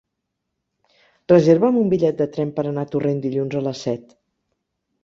Reserva'm un bitllet de tren per anar a Torrent dilluns a les set.